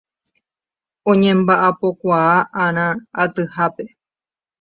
Oñembaʼapokuaaʼarã atyhápe.